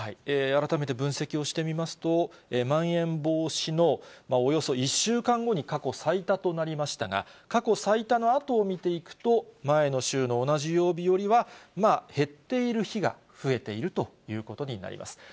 改めて分析をしてみますと、まん延防止のおよそ１週間後に過去最多となりましたが、過去最多のあとを見ていくと、前の週の同じ曜日よりは、減っている日が増えているということになります。